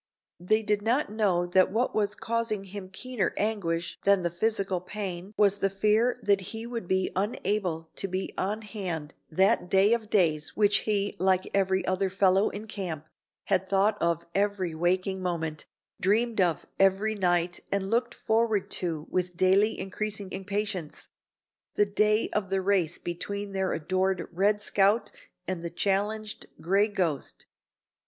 They did not know that what was causing him keener anguish than the physical pain was the fear that he would be unable to be on hand on that day of days which he, like every other fellow in camp, had thought of every waking moment, dreamed of every night and looked forward to with daily increasing impatience the day of the race between their adored "Red Scout" and the challenged "Gray Ghost."